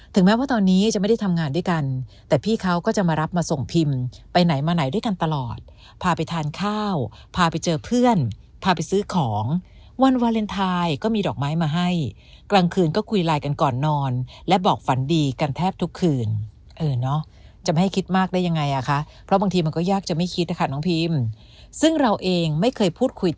แม้ว่าตอนนี้จะไม่ได้ทำงานด้วยกันแต่พี่เขาก็จะมารับมาส่งพิมไปไหนมาไหนด้วยกันตลอดพาไปทานข้าวพาไปเจอเพื่อนพาไปซื้อของวันวาเลนไทยก็มีดอกไม้มาให้กลางคืนก็คุยไลน์กันก่อนนอนและบอกฝันดีกันแทบทุกคืนเออเนาะจะไม่ให้คิดมากได้ยังไงอ่ะคะเพราะบางทีมันก็ยากจะไม่คิดนะคะน้องพิมซึ่งเราเองไม่เคยพูดคุย